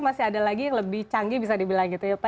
masih ada lagi yang lebih canggih bisa dibilang gitu ya pak